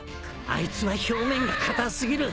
あいつは表面が硬すぎる。